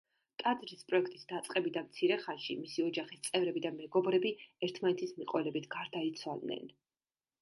ტაძრის პროექტის დაწყებიდან მცირე ხანში მისი ოჯახის წევრები და მეგობრები ერთმანეთის მიყოლებით გარდაიცვალნენ.